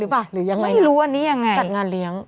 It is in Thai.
อุ๊ยไม่รู้อันนี้ยังไง